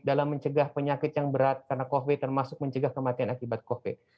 dalam mencegah penyakit yang berat karena covid termasuk mencegah kematian akibat covid